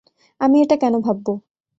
আমি এটা কেন ভাববো?